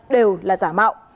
đều là giả mạo